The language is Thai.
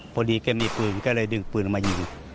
พอดีแกมีปืนแกเลยดึงปืนลงมาหยิง